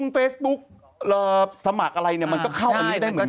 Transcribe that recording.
เฟซบุ๊กสมัครอะไรเนี่ยมันก็เข้าอันนี้ได้เหมือนกัน